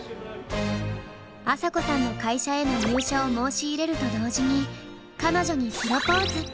朝紗子さんの会社への入社を申し入れると同時に彼女にプロポーズ！